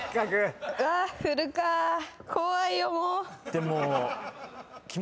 でも。